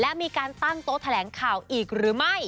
และมีการตั้งโต๊ะแถลงข่าวอีกหรือไม่